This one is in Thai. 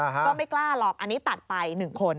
ก็ไม่กล้าหรอกอันนี้ตัดไป๑คน